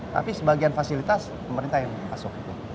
tapi sebagian fasilitas pemerintah yang masuk